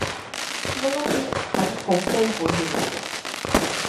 呢一啲係啲好基本嘅嘢